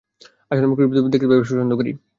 আসলে, আমি ক্রুশবিদ্ধ দেখতে বেশ পছন্দ করি।